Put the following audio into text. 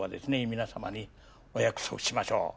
皆様にお約束しましょう。